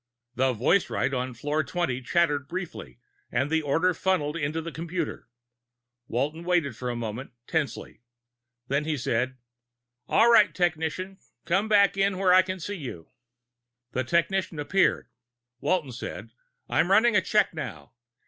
The voicewrite on floor twenty clattered briefly, and the order funneled into the computer. Walton waited a moment, tensely. Then he said, "All right, technician. Come back in where I can see you." The technician appeared. Walton said, "I'm running a check now.